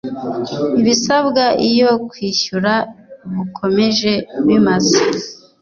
ibisabwa iyo kwishyura bukomeje bimaze